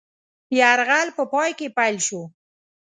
یرغل په پای کې پیل شو.